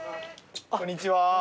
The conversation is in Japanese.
こんにちは。